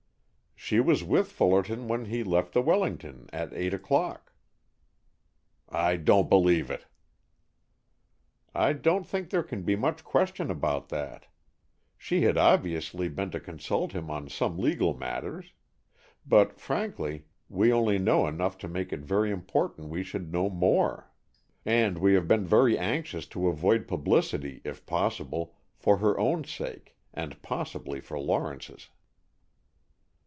"She was with Fullerton when he left the Wellington at eight o'clock." "I don't believe it!" "I don't think there can be much question about that. She had obviously been to consult him on some legal matters. But, frankly, we only know enough to make it very important we should know more. And we have been very anxious to avoid publicity, if possible, for her own sake, and possibly for Lawrence's."